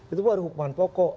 itu baru hukuman pokok